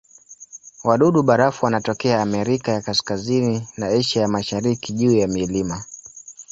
Wadudu-barafu wanatokea Amerika ya Kaskazini na Asia ya Mashariki juu ya milima.